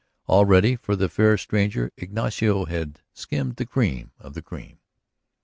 Already for the fair stranger Ignacio had skimmed the cream of the cream.